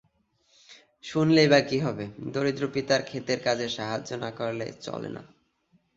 শুনলেই বা কী হবে? দরিদ্র পিতার খেতের কাজে সাহায্য না করলে চলে না।